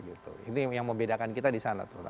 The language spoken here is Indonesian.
ini yang membedakan kita di sana